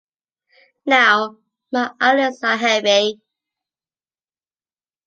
Now my eyelids are heavy.